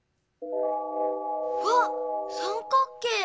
わっ三角形！